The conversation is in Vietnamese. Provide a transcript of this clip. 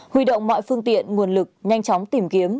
huy động mọi phương tiện nguồn lực nhanh chóng tìm kiếm